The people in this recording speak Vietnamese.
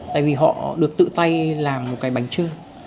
tại vì họ được tự tay làm một cái bánh trưng